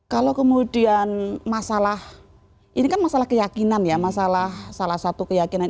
kalau kemudian masalah ini kan masalah keyakinan ya masalah salah satu keyakinan